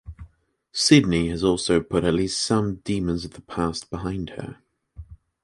Sydney has also put at least some demons of the past behind her.